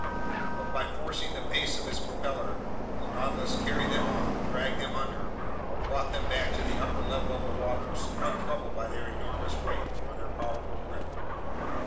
But by forcing the pace of its propeller, the Nautilus carried them off, dragged them under, or brought them back to the upper level of the waters, untroubled by their enormous weight or their powerful grip.